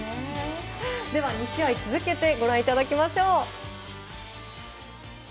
では２試合続けてご覧いただきましょう。